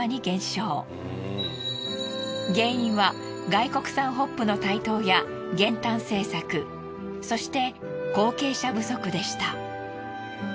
原因は外国産ホップの台頭や減反政策そして後継者不足でした。